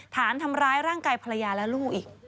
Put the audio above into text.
ฐานทำร้ายร่างกายภรรยาและลูกอีก